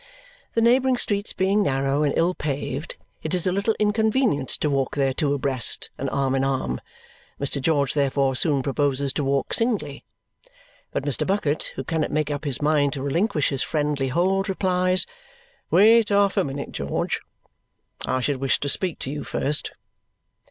The neighbouring streets being narrow and ill paved, it is a little inconvenient to walk there two abreast and arm in arm. Mr. George therefore soon proposes to walk singly. But Mr. Bucket, who cannot make up his mind to relinquish his friendly hold, replies, "Wait half a minute, George. I should wish to speak to you first."